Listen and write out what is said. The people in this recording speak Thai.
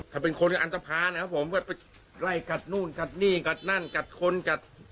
ถ้าเป็นคนอันตภานะครับผมก็ไปไล่กัดนู่นกัดนี่กัดนั่นกัดคนกัด